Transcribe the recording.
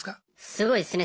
すごいですね